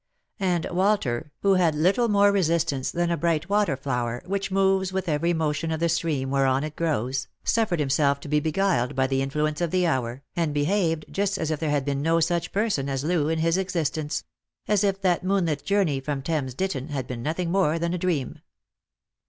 And Walter, who had little more resistance than a bright water fiower, which moves with every motion of the stream whereon it grows, suffered himself to be beguiled by the in fluence of the hour, and behaved just as if there had been no such person as Loo in existence ; as if that moonlit journey from Thames Ditton had been nothing more than a dream.